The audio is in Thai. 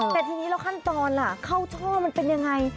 แต่ทีนี้แล้วขั้นตอนล่ะเข้าช่อมันเป็นยังไง